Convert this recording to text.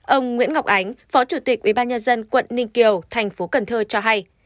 ông nguyễn ngọc ánh phó chủ tịch ubnd quận ninh kiều thành phố cần thơ cho hay